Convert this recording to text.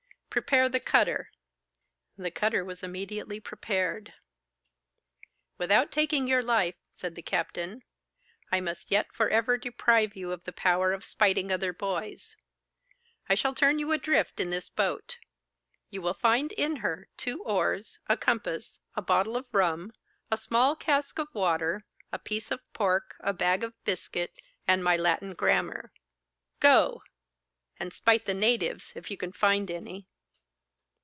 Prepare the cutter.' The cutter was immediately prepared. 'Without taking your life,' said the captain, 'I must yet for ever deprive you of the power of spiting other boys. I shall turn you adrift in this boat. You will find in her two oars, a compass, a bottle of rum, a small cask of water, a piece of pork, a bag of biscuit, and my Latin grammar. Go! and spite the natives, if you can find any.